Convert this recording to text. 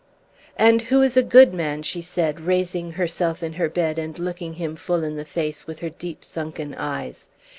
"And who is a good man?" she said, raising herself in her bed and looking him full in the face with her deep sunken eyes.